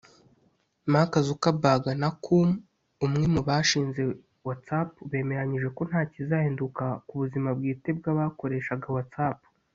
Mark Zuckerberg na Koum (umwe mu bashinze WhatsApp) bemeranyije ko ntakizahinduka ku buzima bwite bw’abakoreshaga WhatsApp